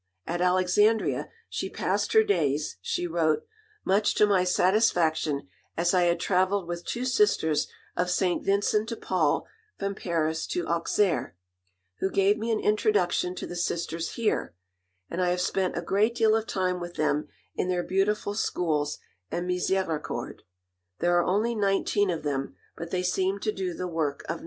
At Alexandria she passed her days, she wrote, "much to my satisfaction, as I had travelled with two Sisters of St. Vincent de Paul from Paris to Auxerre, who gave me an introduction to the Sisters here; and I have spent a great deal of time with them in their beautiful schools and Miséricorde. There are only 19 of them, but they seem to do the work of 90."